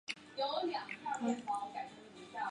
乌干达议会是乌干达的国家立法机关。